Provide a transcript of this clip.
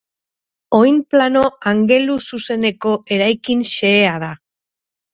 Oin-plano angeluzuzeneko eraikin xehea da.